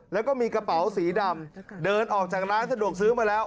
แล้วก็มีกระเป๋าสีดำเดินออกจากร้านสะดวกซื้อมาแล้ว